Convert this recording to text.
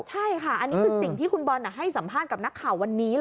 ใช่ค่ะอันนี้คือสิ่งที่คุณบอลให้สัมภาษณ์กับนักข่าววันนี้